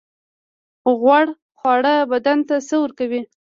غوړ خواړه بدن ته څه ورکوي؟